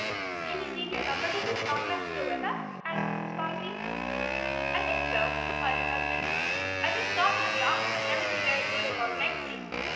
"Can you leave your lumber business long enough to go with us?" asked Mrs. Bobbsey. "I think so," replied her husband. "I just stopped at the office, and everything there is going along nicely.